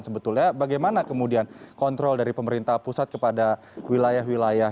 sebetulnya bagaimana kemudian kontrol dari pemerintah pusat kepada wilayah wilayah